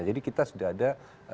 jadi kita sudah ada